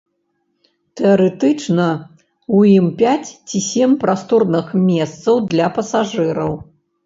Тэарэтычна ў ім пяць ці сем прасторных месцаў для пасажыраў.